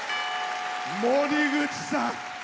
森口さん。